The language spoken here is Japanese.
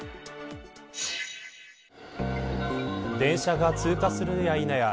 電車が通過するやいなや